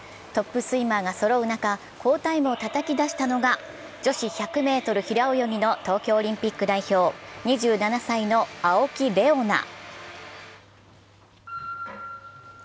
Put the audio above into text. トップスイマーがそろう中、好タイムをたたき出したのが女子１００ｍ平泳ぎの東京オリンピック代表、２７歳の青木玲緒樹。